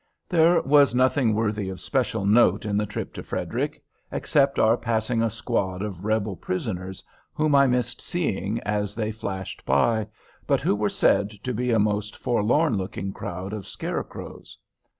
There was nothing worthy of special note in the trip to Frederick, except our passing a squad of Rebel prisoners, whom I missed seeing, as they flashed by, but who were said to be a most forlorn looking crowd of scarecrows.